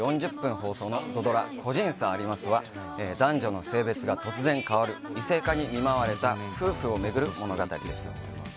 放送の土ドラ「個人差あります」は男女の性別が突然変わる異性化に見舞われた夫婦を巡る物語です。